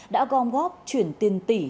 đã gom góp chuyển tiền tỷ